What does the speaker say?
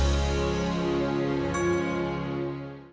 mas randy gak kasihan sama kiki mas